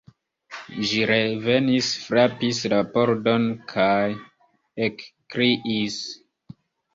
Ĝi revenis, frapis la pordon kaj ekkriis.